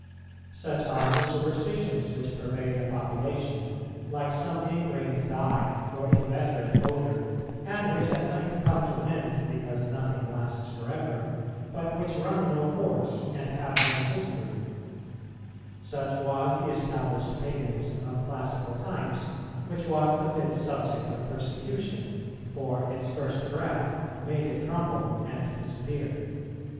Such are the superstitions which pervade a population, like some ingrained dye or inveterate odour, and which at length come to an end, because nothing lasts for ever, but which run no course, and have no history; such was the established paganism of classical times, which was the fit subject of persecution, for its first breath made it crumble and disappear.